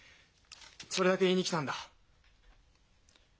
それだけ言いに来たんだ。